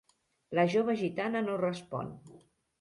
La jove gitana no respon.